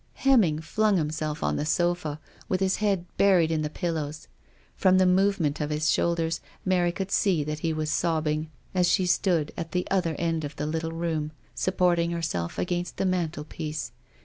Hemming flung himself on the sofa, with his head buried in the pillows. From the movement of his shoulders, Mary could see that he was sobbing as she stood at the other end of the little room, supporting herself against the mantelpiece.